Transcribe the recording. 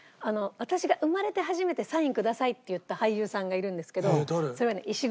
私が生まれて初めて「サインください」って言った俳優さんがいるんですけどそれはね石黒賢さん。